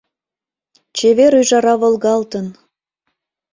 Чевер ӱжара волгалтын!